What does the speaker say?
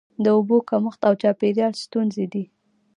د اوبو کمښت او چاپیریال ستونزې دي.